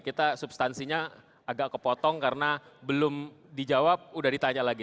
kita substansinya agak kepotong karena belum dijawab udah ditanya lagi